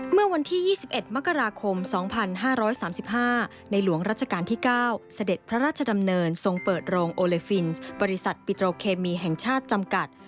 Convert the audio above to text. เมื่อวันที่๒๑มกราคม๒๕๓๕ในหลวงรัชกาลที่๙เสด็จพระราชดำเนินทรงเปิดโรงโอเลฟินส์บริษัทปิโตรเคมีแห่งชาติจำกัด